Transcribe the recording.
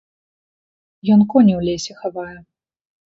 Ён коні ў лесе хавае.